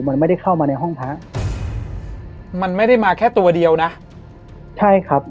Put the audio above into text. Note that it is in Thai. มันไม่ได้เข้ามาในห้องพระมันไม่ได้มาแค่ตัวเดียวนะใช่ครับ